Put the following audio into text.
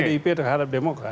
pdip terhadap demokrat